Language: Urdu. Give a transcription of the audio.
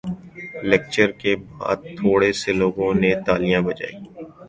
لیکچر کے بات تھورے سے لوگوں نے تالیاں بجائی